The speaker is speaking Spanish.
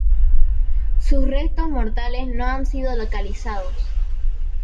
Sus restos mortales no han sido localizados.